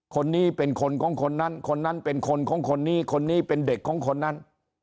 คนนี้เป็นคนของคนนั้นคนนั้นเป็นคนของคนนี้คนนี้เป็นเด็กของคนนั้น